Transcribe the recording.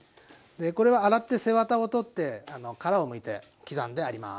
これは洗って背ワタを取って殻をむいて刻んであります。